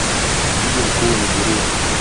Mji mkuu ni Bururi.